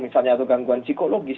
misalnya atau gangguan psikologis